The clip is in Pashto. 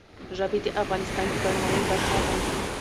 ژبې د افغانستان د بڼوالۍ برخه ده.